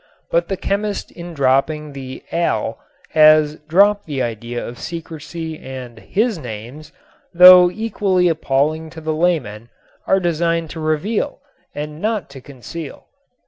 But the chemist in dropping the al has dropped the idea of secrecy and his names, though equally appalling to the layman, are designed to reveal and not to conceal.